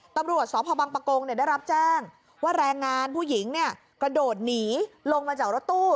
ตำรวจสพบังปะโกงได้รับแจ้งว่าแรงงานผู้หญิงกระโดดหนีลงมาจากรถตู้